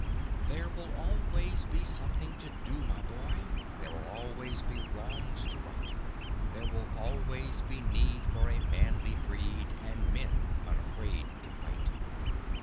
There will always be something to do, my boy; There will always be wrongs to right; There will always be need for a manly breed And men unafraid to fight.